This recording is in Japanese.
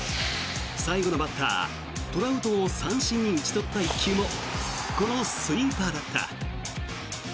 最後のバッター、トラウトを三振に打ち取った一球もこのスイーパーだった。